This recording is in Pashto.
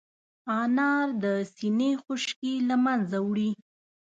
انار د سينې خشکي له منځه وړي.